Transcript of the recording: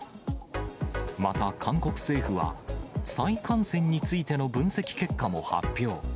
また、韓国政府は再感染についての分析結果も発表。